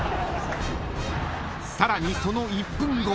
［さらにその１分後］